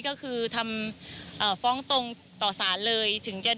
ก็คือทำฟ้องตรงต่อสารเลย